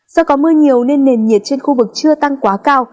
do có mưa nhiều nên nền nhiệt trên khu vực chưa tăng quá cao